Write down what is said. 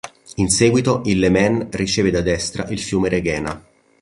In seguito il Lemene riceve da destra il fiume Reghena.